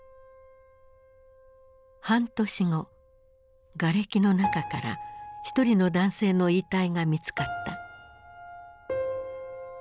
半年後がれきの中から一人の男性の遺体が見つかった。